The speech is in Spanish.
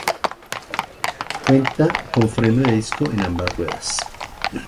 Cuenta con freno de disco en ambas ruedas.